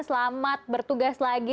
selamat bertugas lagi